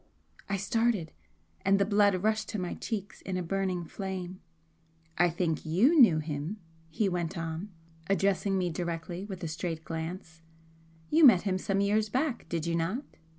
I started, and the blood rushed to my cheeks in a burning flame. "I think YOU knew him," he went on, addressing me directly, with a straight glance "You met him some years back, did you not?"